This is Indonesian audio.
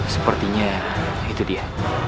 sepertinya itu dia